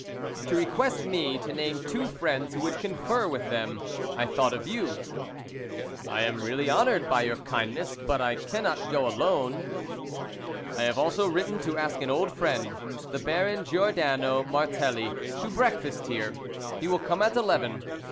"To request me to name two friends who would confer with them; I thought of you." "I am really honoured by your kindness. But I cannot go alone." "I have also written to ask an old friend, the Baron Giordano Martelli, to breakfast here. He will come at eleven.